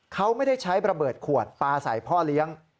เขาไม่ได้ใช้ระเบิดขวดปลาใส่พ่อเลี้ยง